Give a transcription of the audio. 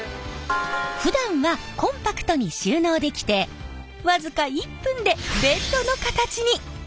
ふだんはコンパクトに収納できて僅か１分でベッドの形に。